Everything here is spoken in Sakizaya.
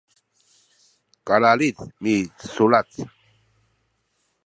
kalalid misulac